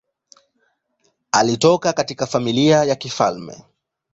Alitoka katika familia ya kifalme.